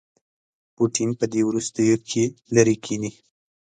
پوټین په دې وروستیوکې لیرې کښيني.